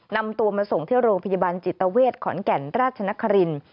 นำตัวมาส่งที่โรงพยาบาลจิตเวทขอนแก่นราชนคริน